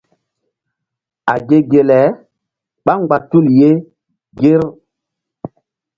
A ge ge le ɓá mgba tul ye ŋger.